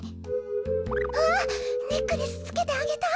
あっネックレスつけてあげた。